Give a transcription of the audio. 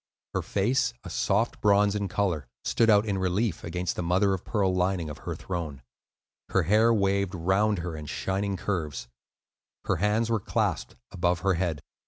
Her face, a soft bronze in color, stood out in relief against the mother of pearl lining of her throne. Her hair waved round her in shining curves. Her hands were clasped above her head.